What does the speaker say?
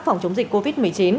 phòng chống dịch covid một mươi chín